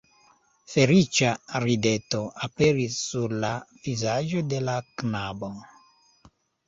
Feliĉa rideto aperis sur la vizaĝo de la knabo